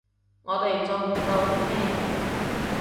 我哋做唔到啲咩